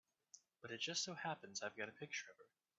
But it just so happens I've got a picture of her.